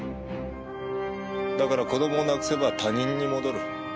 だから子供を亡くせば他人に戻る。